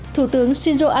thủ tướng xin chào các bạn